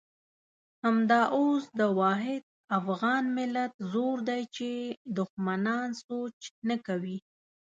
همدا اوس د واحد افغان ملت زور دی چې دښمنان سوچ نه کوي.